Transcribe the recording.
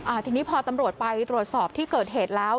ทีนี้พอตำรวจไปตรวจสอบที่เกิดเหตุแล้ว